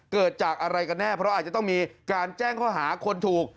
เกิดจากอะไรกันแน่เพราะอาจจะต้องมีการแจ้งข้อหาคนถูก